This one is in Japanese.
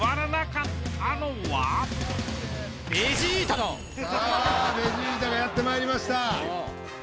さあベジータがやってまいりました。